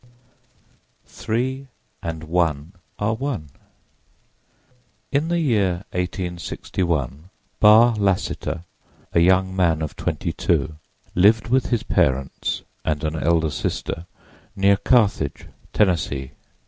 THREE AND ONE ARE ONE IN the year 1861 Barr Lassiter, a young man of twenty two, lived with his parents and an elder sister near Carthage, Tennessee.